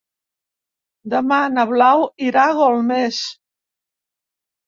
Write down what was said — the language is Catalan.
Demà na Blau irà a Golmés.